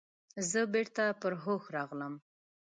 زه بیرته پر هوښ راغلم.